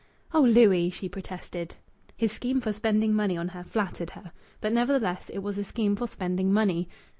"Oh, Louis!" she protested. His scheme for spending money on her flattered her. But nevertheless it was a scheme for spending money.